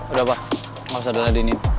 udah pak gausah deladinin